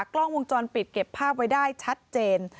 กล้องวงจรปิดเก็บภาพไว้ได้ชัดเจน